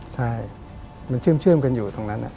ใช่มันเชื่อมกันอยู่ตรงนั้น